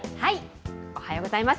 おはようございます。